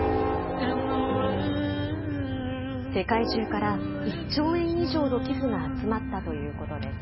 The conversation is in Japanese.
世界中から１兆円以上の寄付が集まったということです。